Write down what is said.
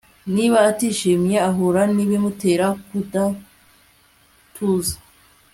Niba atishimye ahura nibimutera kudatuza